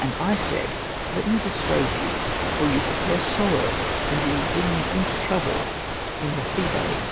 And I said, 'Let me dissuade you, for you prepare sorrow and you will bring me into trouble in the Thebaid.'